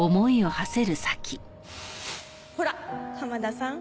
ほら浜田さん。